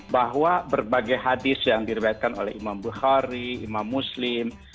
bahwa berbagai hadis yang dirubatkan oleh imam bukhari imam muslim